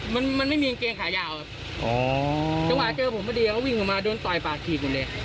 มันมันไม่มีกางเกงขายาวครับอ๋อจังหวะเจอผมพอดีเขาวิ่งออกมาโดนต่อยปากถีบหมดเลย